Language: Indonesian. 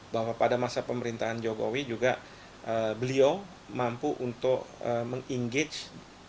bahwa pada masa pemerintahan jokowi juga beliau mampu untuk meng engage